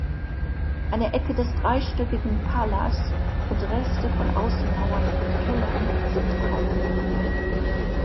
Eine Ecke des dreistöckigen Palas und Reste von Außenmauern und Kellern sind erhalten geblieben.